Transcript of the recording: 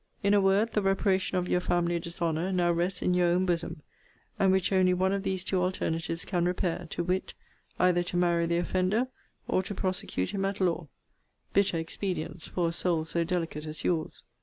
In a word, the reparation of your family dishonour now rests in your own bosom: and which only one of these two alternatives can repair; to wit, either to marry the offender, or to prosecute him at law. Bitter expedients for a soul so delicate as your's!